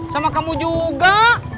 sama kamu juga